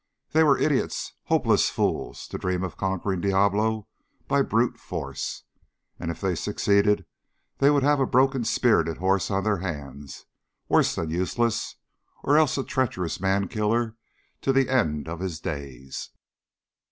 They were idiots, hopeless fools, to dream of conquering Diablo by brute force. And if they succeeded, they would have a broken spirited horse on their hands, worse than useless, or else a treacherous man killer to the end of his days.